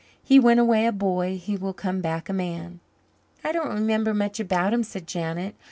He went away a boy he will come back a man." "I don't remember much about him," said Janet.